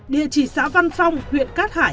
địa chỉ xã văn phong huyện cát hải